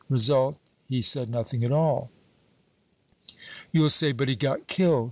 Result he said nothing at all. You'll say, 'But he got killed.'